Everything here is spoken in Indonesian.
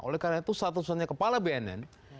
oleh karena itu satu satunya kepala bnn